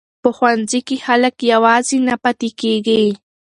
په ښوونځي کې خلک یوازې نه پاتې کیږي.